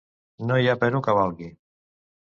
No hi ha però que valgui.